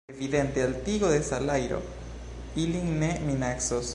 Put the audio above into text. Evidente altigo de salajro ilin ne minacos.